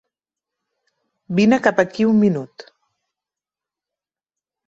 Vine cap aquí un minut.